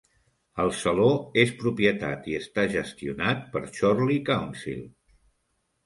El saló és propietat i està gestionat per Chorley Council.